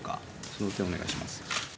その点、お願いします。